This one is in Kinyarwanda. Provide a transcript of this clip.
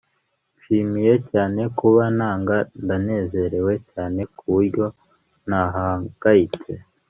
nishimiye cyane kuba nanga. ndanezerewe cyane ku buryo ntahangayitse